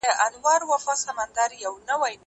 زه پرون کتابتون ته راځم وم؟